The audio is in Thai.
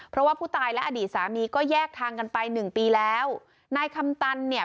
เพราะว่าผู้ตายและอดีตสามีก็แยกทางกันไปหนึ่งปีแล้วนายคำตันเนี่ย